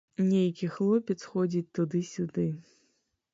Нейкі хлопец ходзіць туды-сюды.